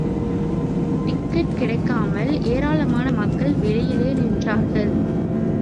Ticket கிடைக்காமல் ஏராளமான மக்கள் வெளியிலே நின்றார்கள்.